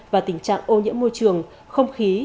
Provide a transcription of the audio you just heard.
và tình trạng ô nhiễm môi trường không khí